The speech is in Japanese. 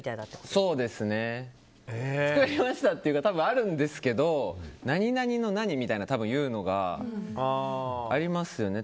そうですね。作りましたっていうか多分あるんですけど何々の何みたいな言うのがありますよね。